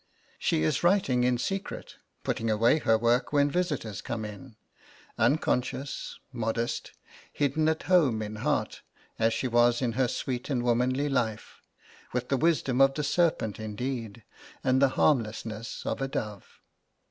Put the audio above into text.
She is writing in secret, putting away her work when visitors come in, unconscious, modest, hidden at home in heart, as she was in her sweet and womanly life, with the wisdom of the serpent indeed and the harmlessness of a dove.